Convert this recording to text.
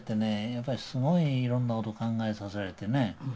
やっぱりすごいいろんなことを考えさせられてね。